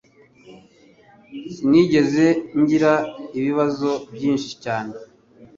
Sinigeze ngira ibibazo byinshi cyane.